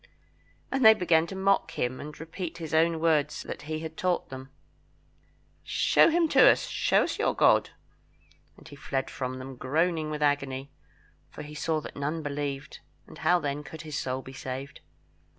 And they all began to mock him! and repeat his own words that he had taught them "Show him to us; show us your God." And he fled from them, groaning with agony, for he saw that none believed; and how, then, could his soul be saved?